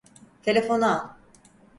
Telefonu al.